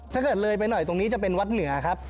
ถ้าเกิดเลยไปหน่อยตรงนี้จะเป็นวัดเหนือครับ